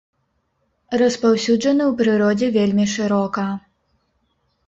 Распаўсюджаны ў прыродзе вельмі шырока.